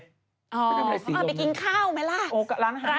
อ๋อเขาก็ไปกินข้าวไหมล่ะร้านอาหารเยอะแยะ